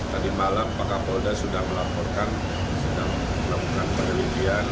tadi malam pak kapolda sudah melaporkan sudah melakukan penelitian